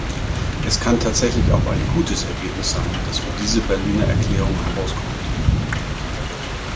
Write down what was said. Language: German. Es kann tatsächlich auch ein gutes Ergebnis sein, das für diese Berliner Erklärung herauskommt.